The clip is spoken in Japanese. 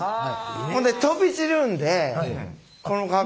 ほんで飛び散るんでこの格好を。